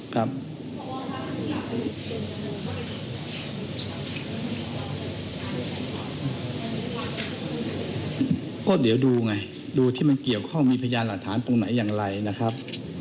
ก็ดูไงดูที่มันเกี่ยวข้องมีพยานหลักฐานตรงไหนอย่างไรนะครับ